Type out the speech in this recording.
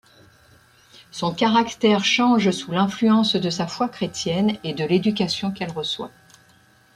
Son caractère change sous l'influence de sa foi chrétienne et de l'éducation qu'elle reçoit.